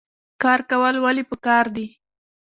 کار کول ولې پکار دي؟